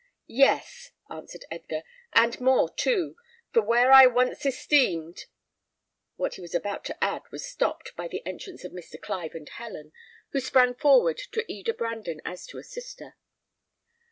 "Yes!" answered Edgar, "and more too; for where I once esteemed " What he was about to add was stopped by the entrance of Mr. Clive and Helen, who sprang forward to Eda Brandon as to a sister.